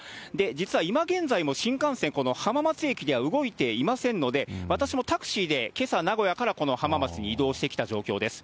実は今現在も新幹線、この浜松駅では動いていませんので、私もタクシーでけさ、名古屋からこの浜松に移動してきた状況です。